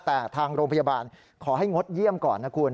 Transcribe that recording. แต่ทางโรงพยาบาลขอให้งดเยี่ยมก่อนนะคุณ